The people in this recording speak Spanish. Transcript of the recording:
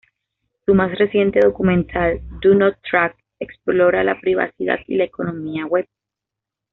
Su más reciente documental, "Do Not Track", explora la privacidad y la economía web.